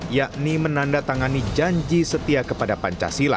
yakni menandatangani janji setia kepada pancasila